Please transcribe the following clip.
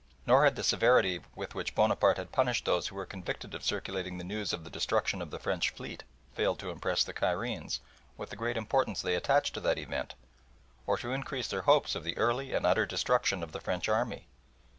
Nor had the severity with which Bonaparte had punished those who were convicted of circulating the news of the destruction of the French fleet failed to impress the Cairenes with the great importance they attached to that event, or to increase their hopes of the early and utter destruction of the French army.